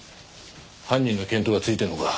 犯人の見当はついてるのか？